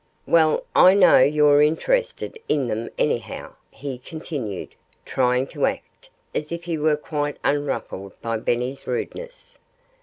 "Well, I know you're interested in them, anyhow," he continued, trying to act as if he were quite unruffled by Benny's rudeness.